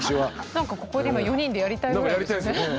なんかここで今４人でやりたいぐらいですね。